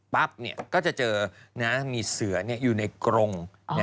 ก็จะเจอมีเสืออยู่ในกรง